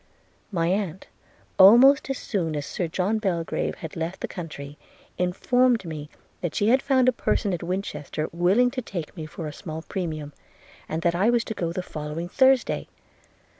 – My aunt, almost as soon as Sir John Belgrave had left the country, informed me that she had found a person at Winchester willing to take me for a small premium, and that I was to go the following Thursday.